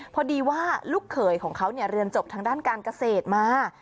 พอดีว่าลูกเขยของเขาเรียนจบทางด้านการเกษตรมา